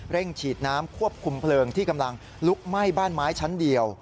ฉีดน้ำควบคุมเพลิงที่กำลังลุกไหม้บ้านไม้ชั้นเดียว